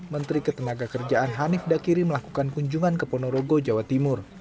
menteri ketenaga kerjaan hanif dakiri melakukan kunjungan ke ponorogo jawa timur